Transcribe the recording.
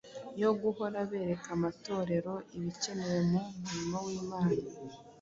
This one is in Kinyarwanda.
yo guhora bereka amatorero ibikenewe mu murimo w’Imana